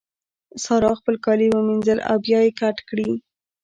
سارا خپل کالي ومينځل او بيا يې کت کړې.